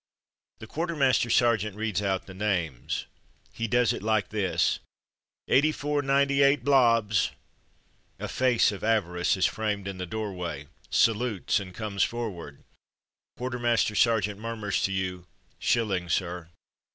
The quartermaster sergeant reads out the names. He does it like this: "Eighty four ninety eight Blobbs!'' (8498 Blobbs). A face of avarice is framed in the door way, salutes, and comes forward. Quarter master sergeant murmurs to you, " shilling, sir."